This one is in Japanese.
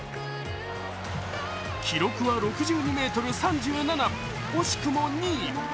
記録は６２ｍ３７、惜しくも２位。